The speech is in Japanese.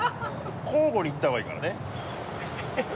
交互にいった方がいいからね。